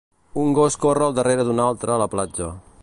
Un gos corre al darrera d'un altre a la platja.